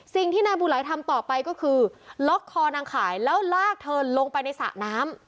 สิ่งที่นายบูไหลทำต่อไปก็คือล็อกคอนางขายแล้วลากเธอลงไปในสระน้ำ